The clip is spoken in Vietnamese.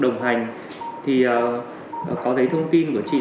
trong việc theo dõi và quản lý những bệnh nhân có những nguy cơ cao